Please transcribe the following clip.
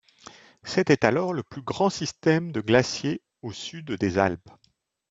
C'était alors le plus grand système de glaciers au sud des Alpes.